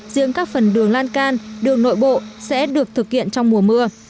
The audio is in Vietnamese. riêng các phần đường lan can đường nội bộ sẽ được thực hiện trong mùa mưa